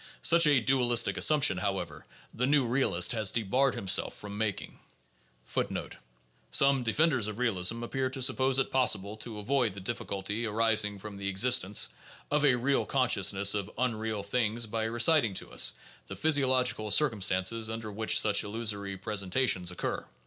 Such a dualistie assumption, however, the new realist has debarred himself from making. 4 * Some defenders of realism appear to suppose it possible to avoid the diffi culty arising from the existence of a real consciousness of unreal things by reciting to us the physiological circumstances under which such illusory presen tations occur.